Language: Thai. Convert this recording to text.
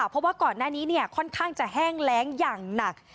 เพราะว่าก่อนหน้านี้ค่อนข้างจะแห้งแรงอย่างหนัก